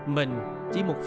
mình chỉ một phút